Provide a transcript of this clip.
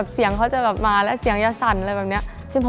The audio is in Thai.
เสียงเขาจะแบบมาแล้วเสียงจะสั่นอะไรแบบนี้